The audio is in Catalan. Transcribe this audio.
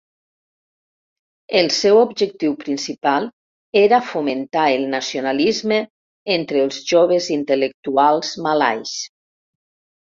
El seu objectiu principal era fomentar el nacionalisme entre els joves intel·lectuals malais.